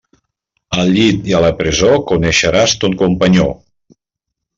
Al llit i a la presó coneixeràs ton companyó.